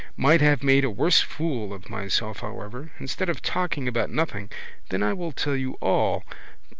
Might have made a worse fool of myself however. Instead of talking about nothing. Then I will tell you all.